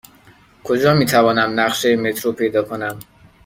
کجا می توانم نقشه مترو پیدا کنم؟